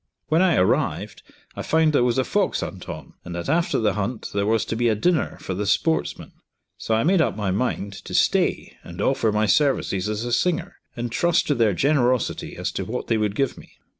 When I arrived, I found there was a fox hunt on, and that after the hunt there was to be a dinner for the sportsmen, so I made up my mind to stay and offer my services as a singer, and trust to their generosity as to what they would give me.